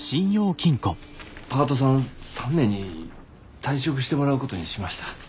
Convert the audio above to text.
パートさん３名に退職してもらうことにしました。